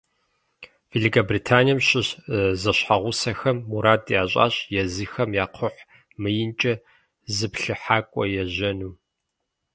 Великобританием щыщ зэщхьэгъусэхэм мурад ящӏащ езыхэм я кхъухь мыинкӏэ зыплъыхьакӏуэ ежьэну.